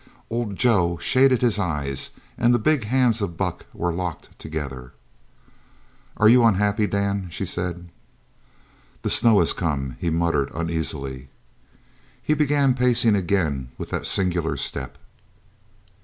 Old Joe shaded his eyes and the big hands of Buck were locked together. "Are you unhappy, Dan?" she said. "The snow is come," he muttered uneasily. He began pacing again with that singular step.